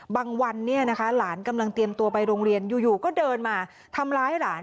วันหลานกำลังเตรียมตัวไปโรงเรียนอยู่ก็เดินมาทำร้ายหลาน